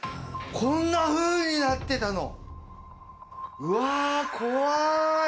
こんなふうになってたの？